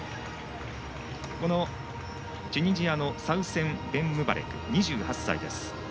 このチュニジアのサウセン・ベンムバレク２８歳です。